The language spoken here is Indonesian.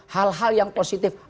hal hal yang positif